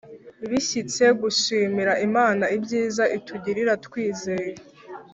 bishyitse, gushimira imana ibyiza itugirira twizeye